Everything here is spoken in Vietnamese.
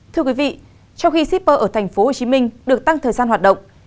trong khi shipper ở tp hcm được tăng thời gian hoạt động